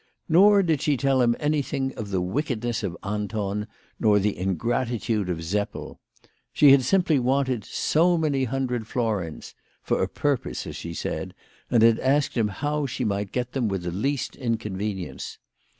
Nor did she tell him anything of the wickedness of Anton, nor of the ingratitude of Seppel. She had simply wanted so many hundred florins, for a purpose, as she said, and had asked him how she might get them with the least inconvenience.